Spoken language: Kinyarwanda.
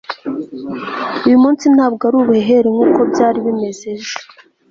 uyu munsi ntabwo ari ubuhehere nkuko byari bimeze ejo